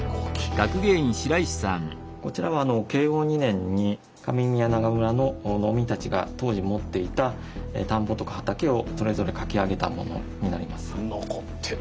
こちらは慶応２年に上宮永村の農民たちが当時持っていた田んぼとか畑をそれぞれ書き上げたものになります。